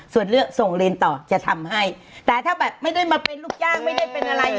ส่วนเลือกส่งเรียนต่อจะทำให้แต่ถ้าแบบไม่ได้มาเป็นลูกจ้างไม่ได้เป็นอะไร